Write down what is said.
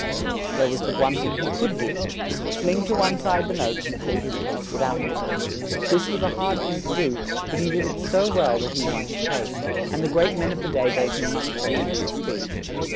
There was but one thing he could do: fling to one side the notes and plead his case without an y. This was a hard thing to do; but he did it so well, that he won his case; and the great men of the day gave him much praise for his speech.